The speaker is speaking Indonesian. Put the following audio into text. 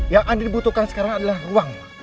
yang andri butuhkan sekarang adalah ruang